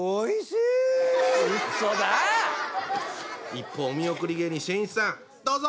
一方お見送り芸人しんいちさんどうぞ！